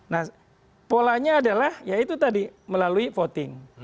nah polanya adalah ya itu tadi melalui voting